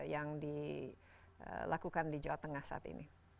yang dilakukan di jawa tengah saat ini